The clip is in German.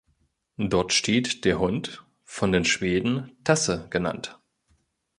Dort steht der „Hund“, von den Schweden „Tasse“ genannt.